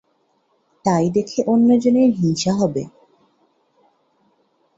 তাই দেখে অন্যজনের হিংসা হবে।